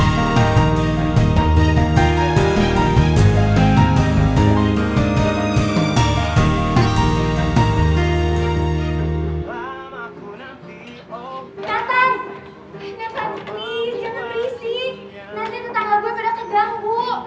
nanti tetangga gue pada kejang bu